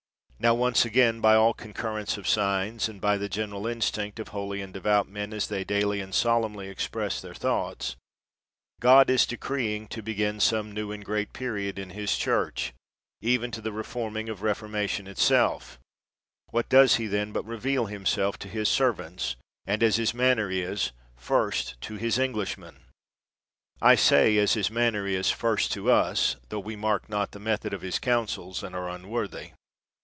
Now once again by all concur rence of signs, and by the general instinct of holy and devout men, as they daily and solemnly express their thoughts, God is decreeing to begin some new and great period in His Church, even to the reforming of Reformation itself: what does He then but reveal Himself to His servants, and as His manner is, first to His Englishmen? I say, as His manner is, first to us, tho we mark not the method of His counsels, and are unworthy.